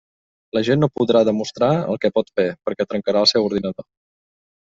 La gent no podrà demostrar el que pot fer, perquè trencarà el seu ordinador.